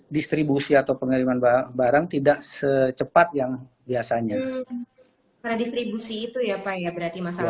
distribusi pengiriman barang tidak secepat yang biasanya distribusi itu ya pak berarti masalah